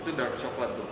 itu dark coklat tuh